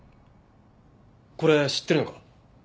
これ知ってるのか？